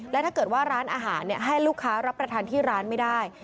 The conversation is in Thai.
และถ้าเกิดว่าร้านอาหารให้ลูกค้ารับประทานที่ร้านไม่ได้